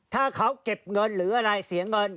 ถ้าเขาเก็บเงินหรืออะไรเสียเงิน